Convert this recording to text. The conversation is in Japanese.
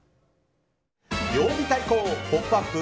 曜日対抗「ポップＵＰ！」